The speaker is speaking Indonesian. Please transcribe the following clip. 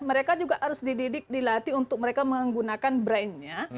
mereka juga harus dididik dilatih untuk mereka menggunakan brandnya